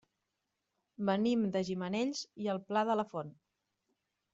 Venim de Gimenells i el Pla de la Font.